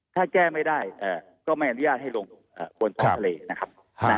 ถ้าแก้ไม่ได้ก็ไม่อนุญาตให้ลงบนท้องทะเลนะครับ